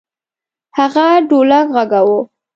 هغه ډولک غږاوه.